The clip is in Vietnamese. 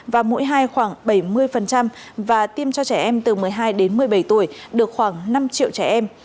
và mũi hai khoảng bảy mươi và tiêm cho trẻ em từ một mươi hai đến một mươi bảy tuổi được khoảng năm triệu trẻ em